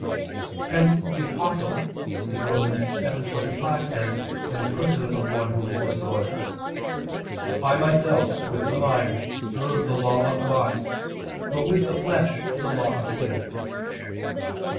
Hence the Apostle (Rom. 7:25) says in the person of one who is restored: "I myself, with the mind, serve the law of God, but with the flesh, the law of sin."